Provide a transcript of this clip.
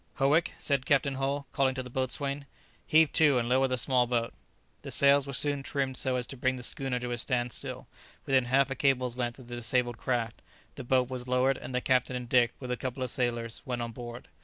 "Howick," said Captain Hull, calling to the boatswain, "heave to, and lower the small boat." The sails were soon trimmed so as to bring the schooner to a standstill within half a cable's length of the disabled craft, the boat was lowered, and the captain and Dick, with a couple of sailors, went on board.